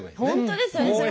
本当ですよね。